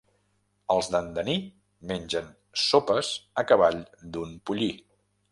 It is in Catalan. Els d'Andaní mengen sopes a cavall d'un pollí.